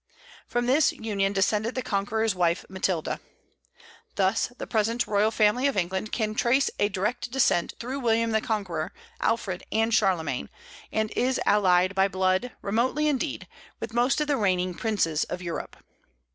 From this union descended the Conqueror's wife Matilda. Thus the present royal family of England can trace a direct descent through William the Conqueror, Alfred, and Charlemagne, and is allied by blood, remotely indeed, with most of the reigning princes of Europe.